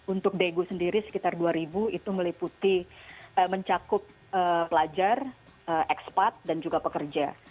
untuk daegu sendiri sekitar dua ribu itu meliputi mencakup pelajar ekspat dan juga pekerja